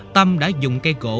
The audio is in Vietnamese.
tâm đã dùng cây gỗ